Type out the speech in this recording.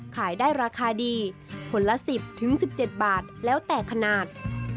ขายได้ราคาดีผลละ๑๐๑๗บาทแล้วแต่ขนาด